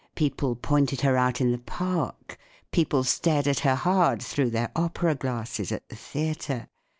People pointed her out in the park; people stared at her hard through their opera glasses at the theatre.